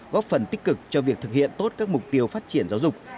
góp phần tích cực cho việc thực hiện tốt các mục tiêu phát triển giáo dục